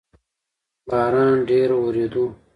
باران ډیر اووریدو